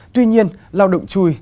tuy nhiên lao động chui